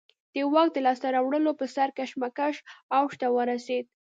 د واک د لاسته راوړلو پر سر کشمکش اوج ته ورسېد.